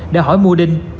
để hỏi mua đinh